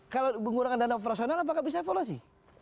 kalau menggunakan dana operasional apakah bisa evaluasi